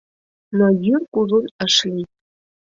Но йӱр кужун ыш лий.